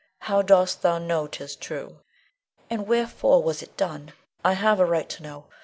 How dost thou know 'tis true, and wherefore was it done? I have a right to know.